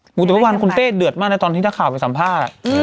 หมู่จุภาพวันคุณเต้เดือดมากในตอนที่ถ้าข่าวไปสัมภาษณ์อ่ะอืม